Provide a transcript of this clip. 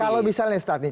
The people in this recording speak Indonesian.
kalau misalnya ustadz nih